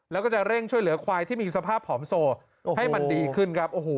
แล้วก็จะเร่งช่วยเหลือควายที่มีสภาพผอมโซให้มันดีขึ้นครับ